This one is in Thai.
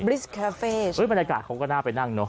บริสเกฟต์เฮ้ยบรรยากาศเขาก็น่าไปนั่งเนอะ